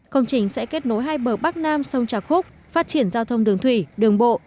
công trình sẽ kết nối hai bờ bắc nam sông trà khúc phát triển giao thông đường thủy đường bộ